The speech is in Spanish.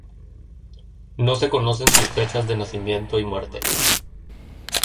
No se conocen sus fechas de nacimiento y muerte.